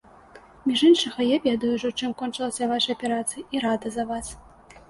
Між іншага, я ведаю ўжо, чым кончылася ваша аперацыя, і рада за вас.